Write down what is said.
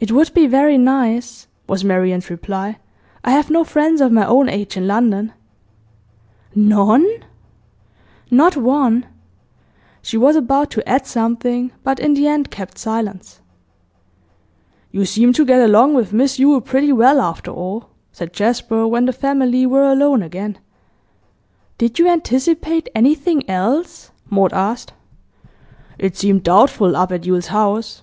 'It would be very nice,' was Marian's reply. 'I have no friends of my own age in London.' 'None?' 'Not one!' She was about to add something, but in the end kept silence. 'You seem to get along with Miss Yule pretty well, after all,' said Jasper, when the family were alone again. 'Did you anticipate anything else?' Maud asked. 'It seemed doubtful, up at Yule's house.